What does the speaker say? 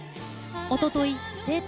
おととい生誕